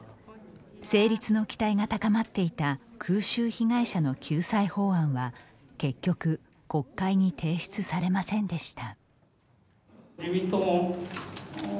成立の期待が高まっていた空襲被害者の救済法案は、結局国会に提出されませんでした。